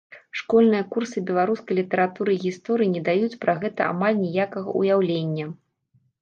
Школьныя курсы беларускай літаратуры і гісторыі не даюць пра гэта амаль ніякага ўяўлення.